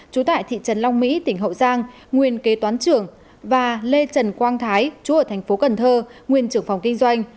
chú tại thị trần long mỹ tỉnh hậu giang nguyên kế toán trưởng và lê trần quang thái chú ở tp cn nguyên trưởng phòng kinh doanh